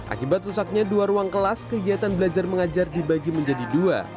akibat rusaknya dua ruang kelas kegiatan belajar mengajar dibagi menjadi dua